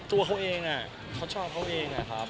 ตัวเขาเองครับเขาชอบเขาเองครับ